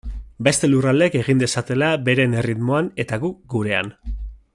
Beste lurraldeek egin dezatela beren erritmoan eta guk gurean.